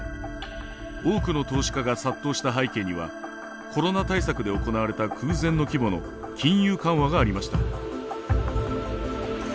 多くの投資家が殺到した背景にはコロナ対策で行われた空前の規模の金融緩和がありました。